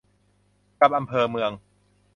กับอำเภอเมือง